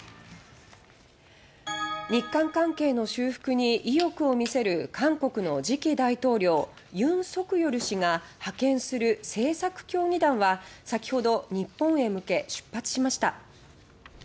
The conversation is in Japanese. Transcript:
日韓関係の修復に意欲を見せる韓国の次期大統領尹錫悦氏が派遣する政策協議団は先ほど日本へ向け出発しました。